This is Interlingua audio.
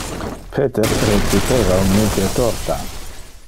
Peter recipeva un micre torta.